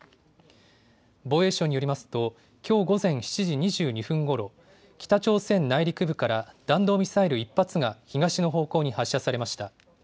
防衛省によりますと、きょう午前７時２２分ごろ、北朝鮮内陸部から弾道ミサイル１発が東の方向に発射されました。